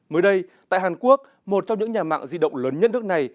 mới đây tại hàn quốc một trong những nhà mạng di động lớn nhất nước này